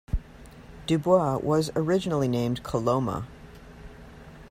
Du Bois was originally named Coloma.